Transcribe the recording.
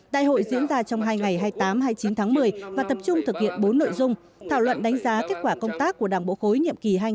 đại hội diễn ra trong hai ngày hai mươi tám hai mươi chín tháng một mươi và tập trung thực hiện bốn nội dung thảo luận đánh giá kết quả công tác của đảng bộ khối nhiệm kỳ hai nghìn hai mươi hai nghìn hai mươi